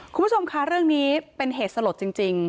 คุณผู้ชมค่ะเรื่องนี้เป็นเหตุสลดจริง